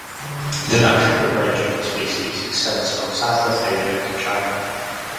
The natural range of the species extends from Southwest Asia to China.